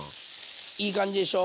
いい感じでしょ？